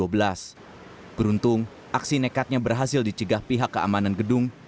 beruntung aksi nekatnya berhasil dicegah pihak keamanan gedung